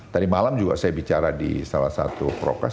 tadi malam juga saya bicara di salah satu program